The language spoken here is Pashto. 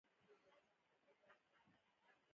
د پښې ښویېدل ښه دي نه د ژبې ښویېدل.